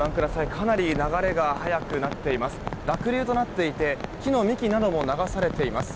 かなり流れが速くなっています。